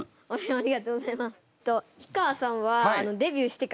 ありがとうございます。